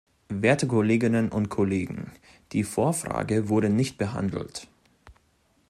Werte Kolleginnen und Kollegen, die Vorfrage wurde nicht behandelt.